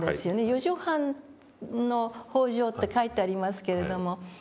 四畳半の方丈って書いてありますけれども。